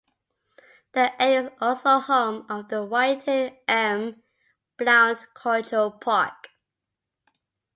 The area is also home of the Wynton M. Blount Cultural Park.